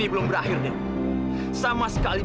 ya allah terima kasih ya allah